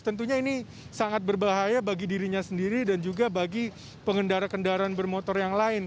tentunya ini sangat berbahaya bagi dirinya sendiri dan juga bagi pengendara kendaraan bermotor yang lain